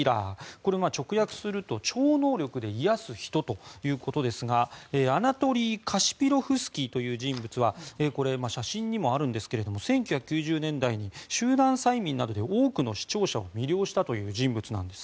これ、直訳すると、超能力で癒やす人ということですがアナトリー・カシピロフスキーという人物は写真にもあるんですが１９９０年代に集団催眠などで多くの視聴者を魅了したという人物なんです。